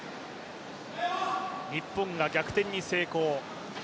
日本が逆転に成功。